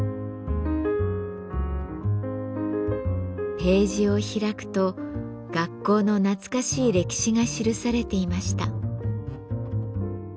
ページを開くと学校の懐かしい歴史が記されていました。